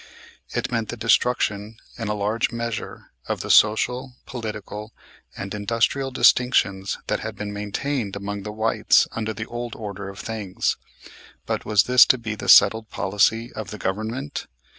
It meant the destruction in a large measure of the social, political, and industrial distinctions that had been maintained among the whites under the old order of things. But was this to be the settled policy of the government?